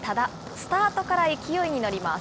スタートから勢いに乗ります。